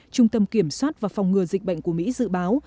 trung tâm kiểm soát và phòng ngừa dịch bệnh của mỹ dự báo